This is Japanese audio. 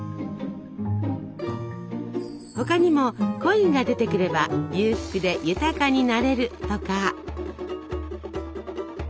他にもコインが出てくれば裕福で豊かになれるとか。